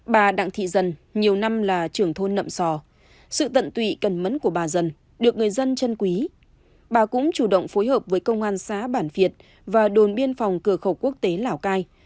bà đặng thị dần nhiều năm là trưởng thôn nậm sò sự tận tụy cần mẫn của bà dân được người dân chân quý bà cũng chủ động phối hợp với công an xã bản việt và đồn biên phòng cửa khẩu quốc tế lào cai